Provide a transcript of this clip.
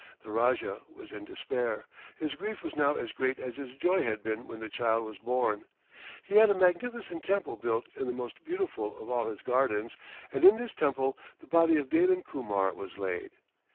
The Rajah was in despair. His grief was now as great as his joy had been when the child was born. He had a magnificent temple built in the most beautiful of all his gardens, and in this temple the body of Dalim Kumar was laid.